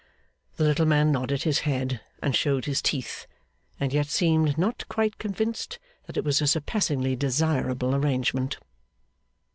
The little man nodded his head, and showed his teeth; and yet seemed not quite convinced that it was a surpassingly desirable arrangement.